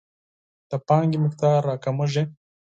د پانګې مقدار راکمیږي.